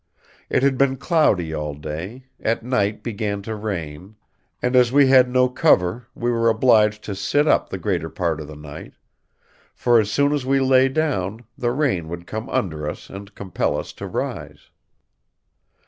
It had been cloudy all day, at night began to rain, and as we had no cover we were obliged to sit up the greater part of the night; for as soon as we lay down the rain would come under us and compel us to rise."